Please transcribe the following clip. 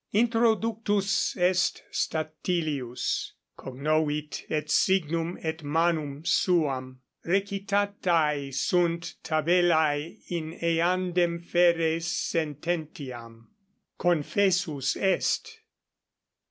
Introductus est Statilius; cognovit et signum et manum suam: recitatae sunt tabellae in eandem fere sententiam; confessus est.